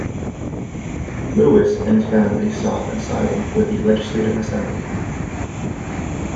Louis and his family sought asylum with the Legislative Assembly.